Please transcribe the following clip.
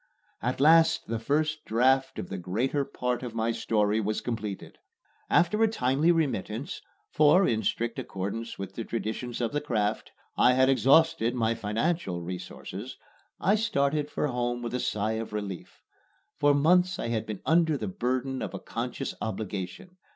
At last the first draft of the greater part of my story was completed. After a timely remittance (for, in strict accordance with the traditions of the craft, I had exhausted my financial resources) I started for home with a sigh of relief. For months I had been under the burden of a conscious obligation.